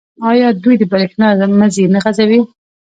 آیا دوی د بریښنا مزي نه غځوي؟